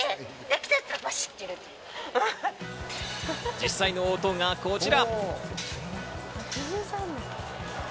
実際の音がこちら。